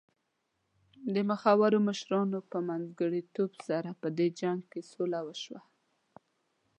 د مخورو مشرانو په منځګړیتوب سره په دې جنګ کې سوله وشوه.